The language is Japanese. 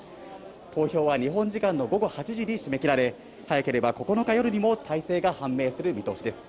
投票は日本時間の午後８時に締め切られ、早ければ９日夜にも大勢が判明する見通しです。